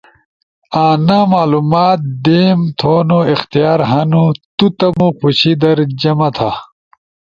انا معلومات دیم تھونو اختیار ہنو۔ تو تمو خوشی در جمع تھا۔